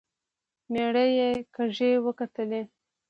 مېړه يې کږې وکتلې.